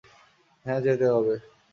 হ্যাঁ যেতে হবে!